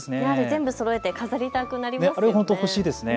全部そろえて飾りたくなりますね。